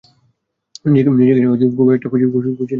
নিজেকে নিয়ে খুব একটা খুশি নও মনে হচ্ছে?